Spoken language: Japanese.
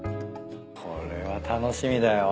これは楽しみだよ。